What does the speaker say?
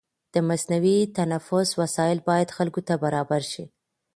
د مصنوعي تنفس وسایل باید خلکو ته برابر شي.